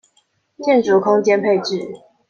建築空間配置